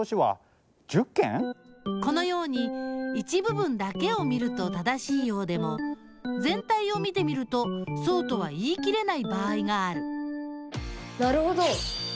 このように一部分だけを見ると正しいようでもぜん体を見てみるとそうとは言い切れない場合があるなるほど！